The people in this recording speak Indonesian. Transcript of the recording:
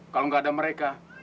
kalau nggak ada mereka